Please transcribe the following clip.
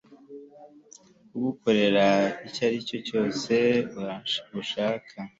kugukorera icyaricyo cyose ushaka